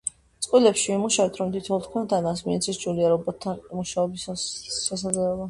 წყვილებში ვიმუშავებთ, რომ თითოეულ თქვენთაგანს მიეცეს ჯულიას რობოტთან მუშაობის შესაძლებლობა.